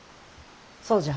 そうじゃ。